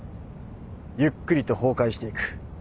ゆっくりと崩壊していく。